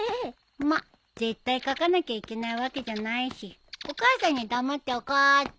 まあ絶対書かなきゃいけないわけじゃないしお母さんには黙っておこうっと。